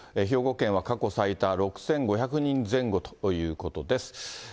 兵庫県は、過去最多６５００人前後ということです。